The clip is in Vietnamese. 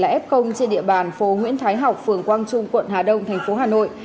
f trên địa bàn phố nguyễn thái học phường quang trung quận hà đông thành phố hà nội